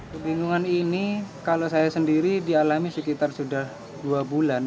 kebingungan ini kalau saya sendiri dialami sekitar sudah dua bulan